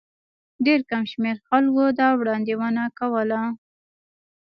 ډېر کم شمېر خلکو دا وړاندوینه کوله.